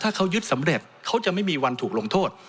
ถ้าเขายึดสำเร็จเขาจะไม่มีวันถูกลงโทษ